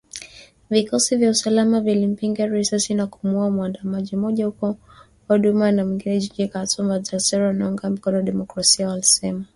Vikosi vya usalama vilimpiga risasi na kumuuwa muandamanaji mmoja huko Omdurman na mwingine jijini Khartoum, madaktari wanaounga mkono demokrasia walisema